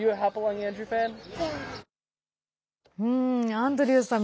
アンドリューさん